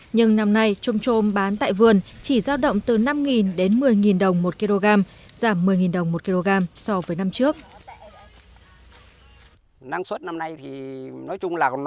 nhưng năm nay trôm trôm bán tại vườn chỉ giao động từ năm đến một mươi đồng một kg giảm một mươi đồng một kg so với năm trước